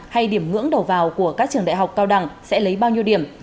hay điểm ngưỡng đầu vào của các trường đại học cao đẳng sẽ lấy bao nhiêu điểm